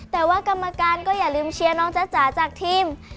แต่ว่ากรรมการก็อย่าลืมเชียร์น้องจ๊ะจ๋าจากทีม